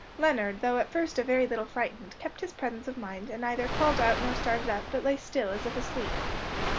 Leonard, though at first a very little frightened, kept his presence of mind, and neither called out nor started up, but lay still as if asleep.